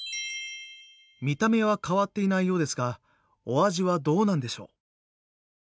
見た目は変わっていないようですがお味はどうなんでしょう？